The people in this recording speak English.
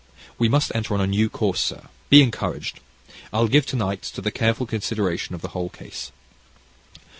We must enter on a new course, sir, be encouraged. I'll give to night to the careful consideration of the whole case."